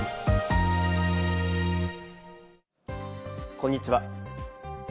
こんにちは。